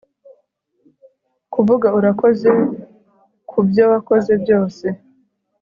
kuvuga urakoze kubyo wakoze byose